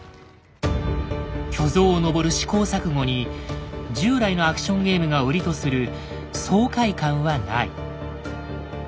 巨像を登る試行錯誤に従来のアクションゲームが売りとする爽快感はない。